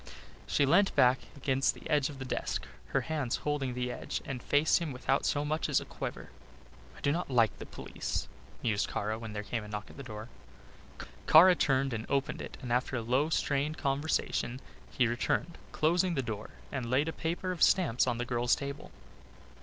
She leant back against the edge of the desk, her hands holding the edge, and faced him without so much as a quaver. "I do not like the police," mused Kara, when there came a knock at the door. Kara turned and opened it and after a low strained conversation he returned, closing the door and laid a paper of stamps on the girl's table.